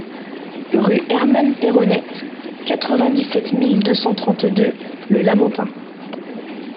Rue Herman Pérronnette, quatre-vingt-dix-sept mille deux cent trente-deux Le Lamentin